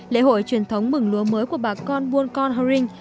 lễ hội truyền thống mừng lúa mới của bà con buôn con hơ rinh